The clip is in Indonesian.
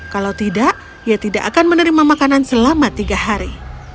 kalau tidak ia tidak akan menerima makanan selama tiga hari